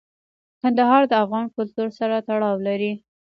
کندهار د افغان کلتور سره تړاو لري.